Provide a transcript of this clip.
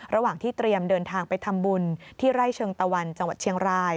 ระหว่างที่เตรียมเดินทางไปทำบุญที่ไร่เชิงตะวันจังหวัดเชียงราย